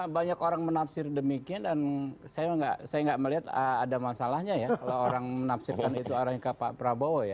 banyak orang menafsir demikian dan saya nggak melihat ada masalahnya ya kalau orang menafsirkan itu arahnya ke pak prabowo ya